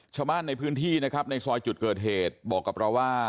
ชาวบ้านในพื้นที่นะครับในซอยจุดเกิดเหตุบอกกับเราว่า